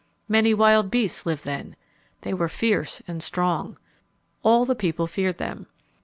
Many wild beasts lived then. They were fierce and strong. All the people feared them.